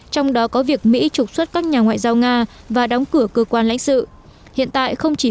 trong đó có việc mỹ trục xuất các nhà ngoại giao nga và đóng cửa cơ quan lãnh sự hiện tại không chỉ